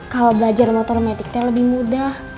kalau belajar motor metiknya lebih mudah